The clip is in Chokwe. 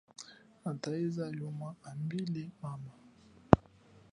Nataiza yuma ambile mama.